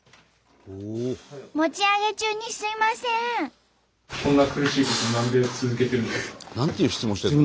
持ち上げ中にすいません！